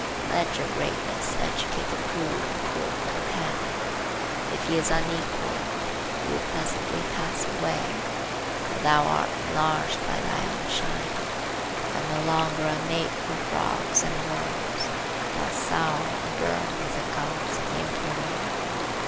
Let your greatness educate the crude and cold companion. If he is unequal he will presently pass away; but thou art enlarged by thy own shining, and no longer a mate for frogs and worms, dost soar and burn with the gods of the empyrean.